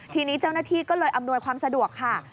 ทีนี้เจ้าหน้าที่ก็เลยอำนวยความสะดวกค่ะ